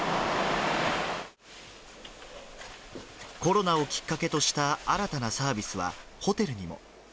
コロナをきっかけとした新たなサービスは、ホテルにも。